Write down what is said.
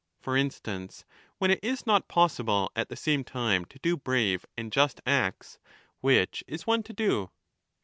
For instance, when it is not possible at the same time to do brave and just acts, which is one to do